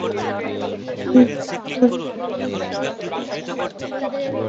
তবু যদি কারও বুঝতে সমস্যা হয়, সেটি পরিষ্কার করে দিলেন মাইকেল ভন।